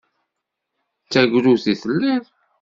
D tagrudt i telliḍ.